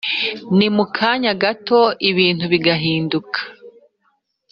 ni mu kanya gato ibintu bigahinduka